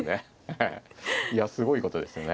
いやすごいことですよね。